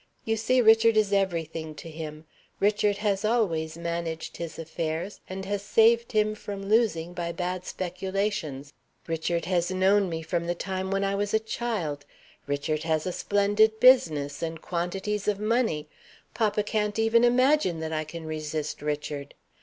You see Richard is everything to him; Richard has always managed his affairs, and has saved him from losing by bad speculations; Richard has known me from the time when I was a child; Richard has a splendid business, and quantities of money. Papa can't even imagine that I can resist Richard.